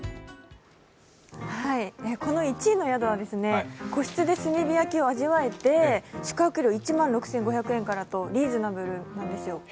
この１位の宿は個室で炭火焼きを味わえて宿泊料１万６５００円からとリーズナブルなんですよ。